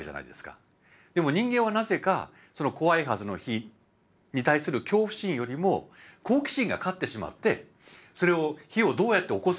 でも人間はなぜかその怖いはずの火に対する恐怖心よりも好奇心が勝ってしまってそれを火をどうやっておこすのか。